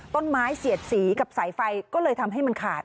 ต้นไม้เสียดสีกับสายไฟก็เลยทำให้มันขาด